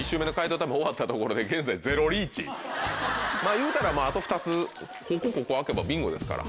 いうたらあと２つここここ開けばビンゴですから。